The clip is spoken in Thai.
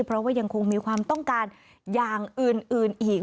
เพราะว่ายังคงมีความต้องการอย่างอื่นอีก